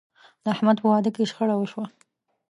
د احمد په واده کې شخړه وشوه.